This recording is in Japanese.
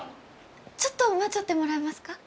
ちょっと待ちよってもらえますか？